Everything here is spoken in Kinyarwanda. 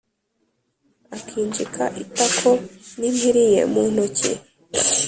akinjika itako, n’impiri ye mu ntoki.